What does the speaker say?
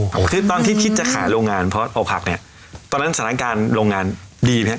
คือตอนที่คิดจะขายโรงงานเพราะเอาผักเนี้ยตอนนั้นสถานการณ์โรงงานดีนะครับ